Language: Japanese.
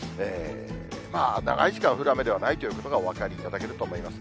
長い時間降る雨ではないということがお分かりいただけると思います。